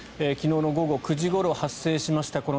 昨日の午後９時ごろ発生しました